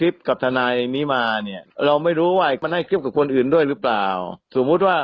ไปเรียก